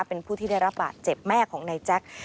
เป็นผู้ที่ได้รับบาดเจ็บแม่ของนายแจ็ค